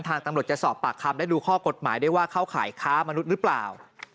ทางตำรวจจะสอบปากคำและดูข้อกฎหมายได้ว่าเข้าข่ายค้ามนุษย์หรือเปล่า